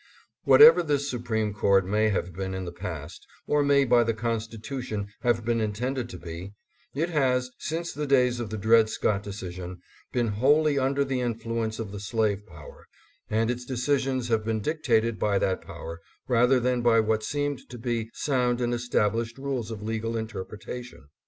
Whatever this Supreme Court may have been in the past, or may by the Constitution have been intended to be, it has, since the days of the Dred Scott decision, been wholly under the influence of the slave power, and its decisions have been dictated by that power rather than by what seemed to be sound and established rules of legal interpretation.